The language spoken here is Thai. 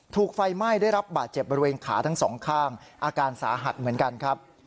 ถูกไฟไหม้ได้รับบาดเจ็บบริเวณขาทั้งสองข้างอาการสาหัสเหมือนกันครับ